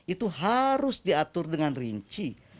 itu harus diatur dengan rinci